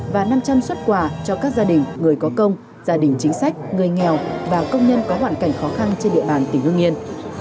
và năm trăm linh xuất quà cho các gia đình người có công gia đình chính sách người nghèo và công nhân có hoàn cảnh khó khăn trên địa bàn tỉnh hương yên